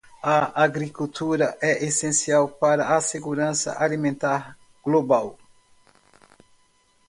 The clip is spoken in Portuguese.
A agricultura é essencial para a segurança alimentar global.